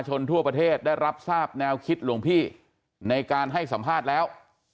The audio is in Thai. ทั่วประเทศได้รับทราบแนวคิดหลวงพี่ในการให้สัมภาษณ์แล้ว